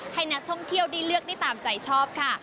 ให้นักท่องเที่ยวได้เลือกได้ตามใจชอบค่ะ